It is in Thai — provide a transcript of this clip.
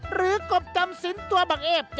หรือกบจำสินตัวบังเอภ